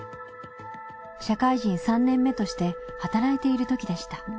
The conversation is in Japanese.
社会人３年目として働いているときでした。